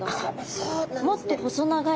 もっと細長い。